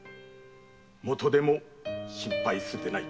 元手は心配するでない